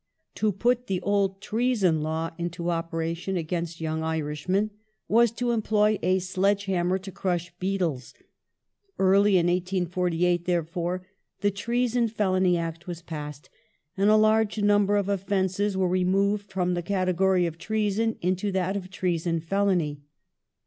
To put the old treason law into operation against " Young Irishmen " was to employ a sledgehammer to crush beetles. Early in 1848, therefore, the Treason Felony Act was passed and a large number of offences were removed from the category of treason into that of treason felony.